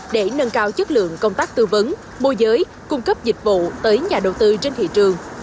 để nâng cao chất lượng công tác tư vấn môi giới cung cấp dịch vụ tới nhà đầu tư trên thị trường